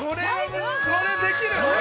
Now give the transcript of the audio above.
◆それはできる？